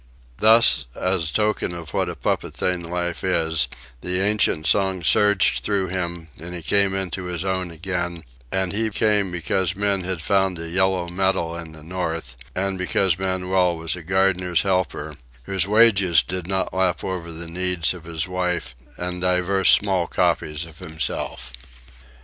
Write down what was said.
Thus, as token of what a puppet thing life is, the ancient song surged through him and he came into his own again; and he came because men had found a yellow metal in the North, and because Manuel was a gardener's helper whose wages did not lap over the needs of his wife and divers small copies of himself.